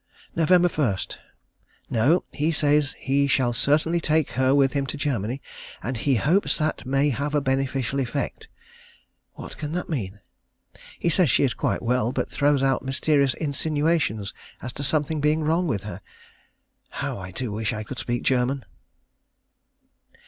Nov. 1. No. He says he shall certainly take her with him to Germany, and "he hopes that may have a beneficial effect." What can he mean? He says she is quite well, but throws out mysterious insinuations as to something being wrong with her. How I do wish I could speak German.